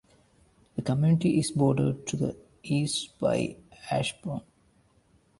The community is bordered to the east by Ashburn.